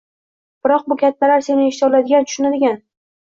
Biroq bu kattalar seni eshita oladigan, tushunadigan